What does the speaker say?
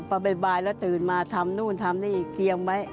พอบ่ายแล้วตื่นมาทำนู่นทำนี่เคียงไว้